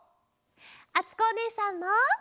あつこおねえさんも！